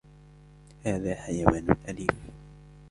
هذا حيوانٌ أليف.